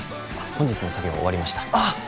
本日の作業終わりましたあっ